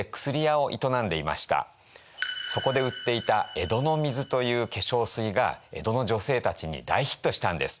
そこで売っていた「江戸の水」という化粧水が江戸の女性たちに大ヒットしたんです。